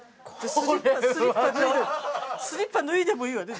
スリッパ脱いでもいいわね。